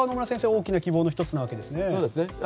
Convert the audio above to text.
大きな希望の１つなわけですね。